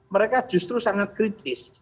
mereka justru sangat kritis